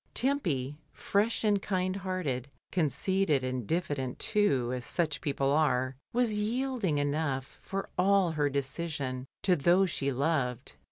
Tempy, fresh and kind hearted, conceited and diffident too, as such people are, was yielding enough, for all her decision, to those she loved.